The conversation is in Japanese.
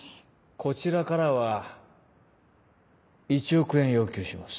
こちらからは１億円要求します。